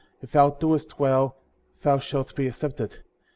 If thou doest well, thou shalt be accepted.